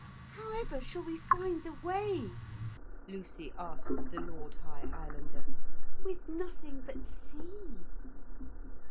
'However shall we find the way,' Lucy asked the Lord High Islander, 'with nothing but sea?'